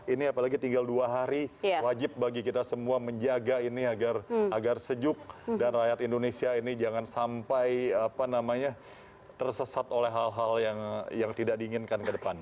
ini apalagi tinggal dua hari wajib bagi kita semua menjaga ini agar sejuk dan rakyat indonesia ini jangan sampai tersesat oleh hal hal yang tidak diinginkan ke depan